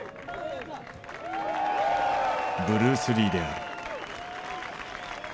ブルース・リーである。